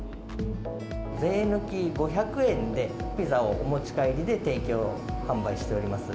税抜き５００円で、ピザをお持ち帰りで提供販売しております。